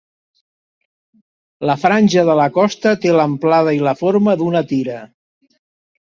La franja de la costa té l'amplada i la forma d'una tira.